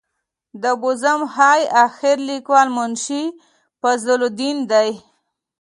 د بزم های اخیر لیکوال منشي فضل الدین دی.